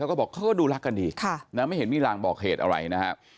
แล้วก็บอกเขาก็ดูรักกันดีไม่เห็นมีรางบอกเหตุอะไรนะครับ